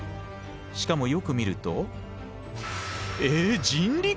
しかもよく見るとえ人力！？